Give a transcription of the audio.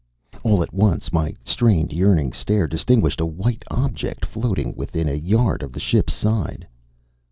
All at once my strained, yearning stare distinguished a white object floating within a yard of the ship's side.